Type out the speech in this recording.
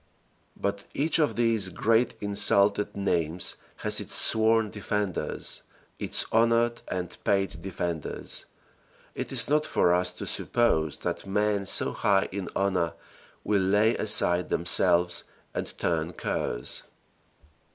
But each of these great insulted names has its sworn defenders, its honored and paid defenders. It is not for us to suppose that men so high in honor will lay aside themselves and turn curs.